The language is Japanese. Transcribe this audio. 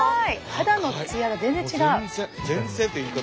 肌の艶が全然違う。